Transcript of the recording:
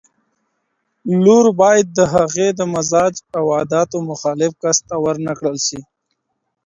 لور بايد د هغې د مزاج او عاداتو مخالف کس ته ورنکړل سي.